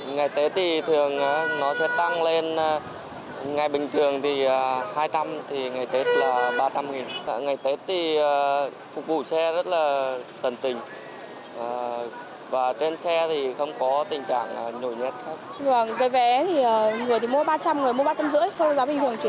nhiều hành khách cho biết giá vé xe có tăng một chút so với những ngày bình thường tuy nhiên tình trạng nhồi nhất khách cũng không xảy ra